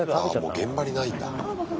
あもう現場にないんだ。